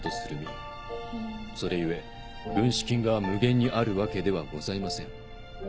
それ故軍資金が無限にあるわけではございません。